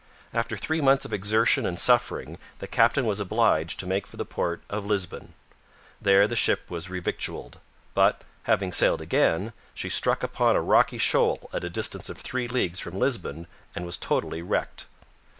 After three months of exertion and suffering the captain was obliged to make for the port of Lisbon. There the ship was revictualled; but, having sailed again, she struck upon a rocky shoal at a distance of three leagues from Lisbon and was totally wrecked.